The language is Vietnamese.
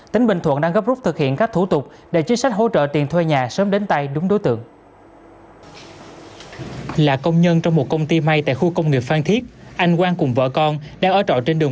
tỉnh bình thuận đang gấp rút thực hiện các thủ tục để chính sách hỗ trợ tiền thuê nhà sớm đến tay đúng đối tượng